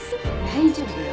大丈夫よ。